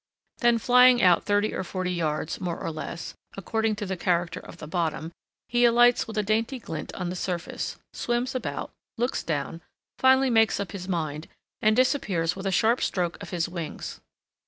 Then flying out thirty or forty yards, more or less, according to the character of the bottom, he alights with a dainty glint on the surface, swims about, looks down, finally makes up his mind, and disappears with a sharp stroke of his wings.